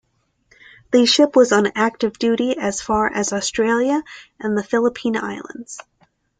The ship was on active duties as far as Australia and the Philippine Islands.